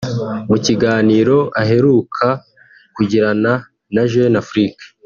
mu kiganiro aheruka kugirana na Jeune Afrique